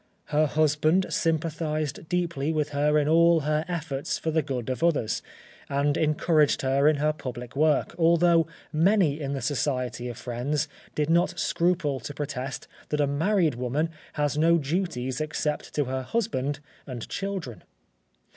Her husband sympathised deeply with her in all her efforts for the good of others, and encouraged her in her public work, although many in the Society of Friends did not scruple to protest that a married woman has no duties except to her husband and children.